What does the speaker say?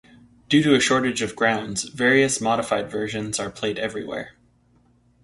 Due to a shortage of grounds, various modified versions are played everywhere.